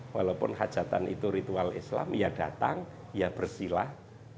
walaupun hajatan itu ritual islam ia datang ia bersilah